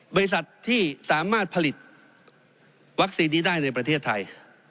บริษัทที่สามารถผลิตวัคซีนนี้ได้ในประเทศไทย